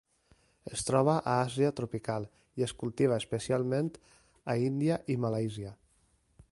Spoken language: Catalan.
Es troba a Àsia tropical i es cultiva especialment a Índia i Malàisia.